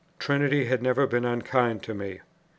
Trinity had never been unkind to me.